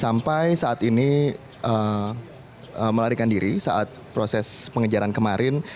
sampai saat ini melarikan diri saat proses pengejaran kemarin